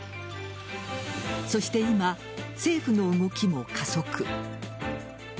そして今、政府の動きも加速。